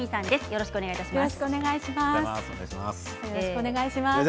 よろしくお願いします。